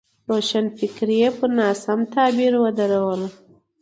روښانفکري یې پر ناسم تعبیر ودروله.